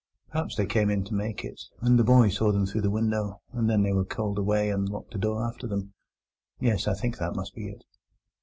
Perhaps they came in to make it, and that boy saw them through the window; and then they were called away and locked the door after them. Yes, I think that must be it."